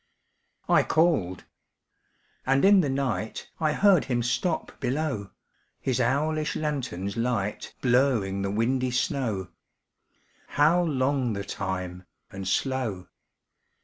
I called. And in the night I heard him stop below, His owlish lanthorn's light Blurring the windy snow How long the time and slow!